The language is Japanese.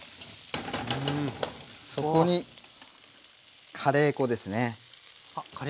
そこにカレー粉ですね。